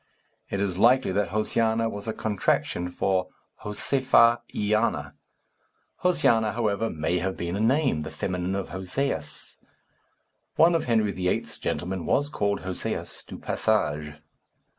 It is likely that Josiana was a contraction for Josefa y Ana. Josiana, however, may have been a name the feminine of Josias. One of Henry VIII.'s gentlemen was called Josias du Passage.